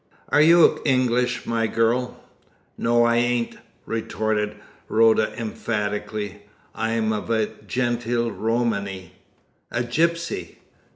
"Are you English, my girl?" "No, I ain't!" retorted Rhoda emphatically. "I'm of the gentle Romany." "A gipsy!"